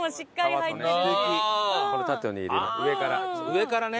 上からね。